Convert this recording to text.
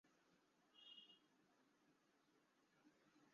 শালগম অতি প্রাচীন সবজি।